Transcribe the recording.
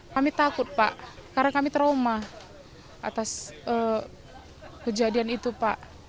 kami takut pak karena kami trauma atas kejadian itu pak